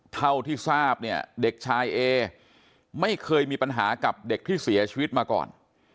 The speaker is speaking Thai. เท่าที่ทราบเนี่ยเด็กชายเอไม่เคยมีปัญหากับเด็กที่เสียชีวิตมาก่อน